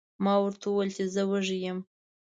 ما ورته وویل چې زه وږی یم.